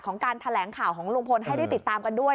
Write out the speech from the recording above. การแถลงข่าวของลุงพลให้ได้ติดตามกันด้วย